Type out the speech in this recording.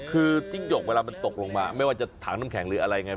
คือจิ้งหยกเวลามันตกลงมาไม่ว่าจะถังน้ำแข็งหรืออะไรไง